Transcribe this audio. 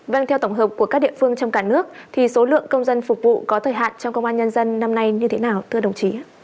vâng theo tổng hợp của các địa phương trong cả nước thì số lượng công dân phục vụ có thời hạn trong công an nhân dân năm nay như thế nào thưa đồng chí